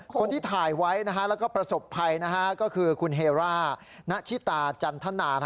คนที่ถ่ายไว้แล้วก็ประสบภัยก็คือคุณเฮร่าณชิตาจันทนา